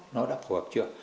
nó đã phù hợp chưa